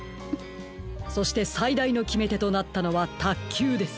そしてさいだいのきめてとなったのはたっきゅうです。